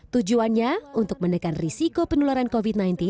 tujuannya untuk menekan risiko penularan covid sembilan belas